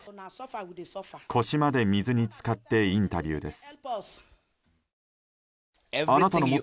腰まで水に浸かってインタビューです。